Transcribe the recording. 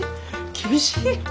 厳しい。